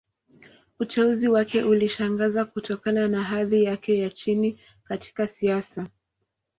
Uteuzi wake ulishangaza, kutokana na hadhi yake ya chini katika siasa.